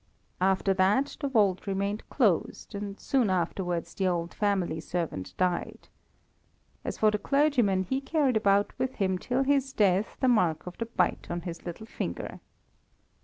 "After that the vault remained closed, and soon afterwards the old family servant died. As for the clergyman, he carried about with him till his death the mark of the bite on his little finger.